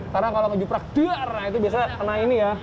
karena kalau ngejuprak itu biasanya kena ini ya